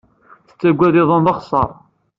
Tettaggad iḍan d axeṣṣar.